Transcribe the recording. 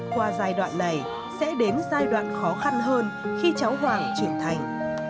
qua giai đoạn này sẽ đến giai đoạn khó khăn hơn khi cháu hoàng trưởng thành